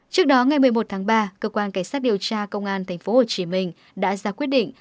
trước đó ngày một mươi một tháng ba cơ quan cảnh sát điều tra công an tp hcm đã ra quyết định